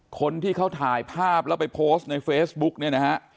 คนที่เขาถ่ายภาพแล้วไปโพสต์ในเฟซบุ๊กเนี่ยนะฮะ